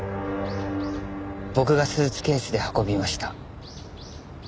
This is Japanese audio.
僕がスーツケースで運びました。